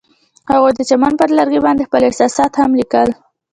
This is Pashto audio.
هغوی د چمن پر لرګي باندې خپل احساسات هم لیکل.